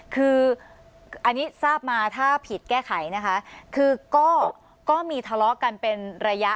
คืออันนี้ทราบมาถ้าผิดแก้ไขนะคะคือก็มีทะเลาะกันเป็นระยะ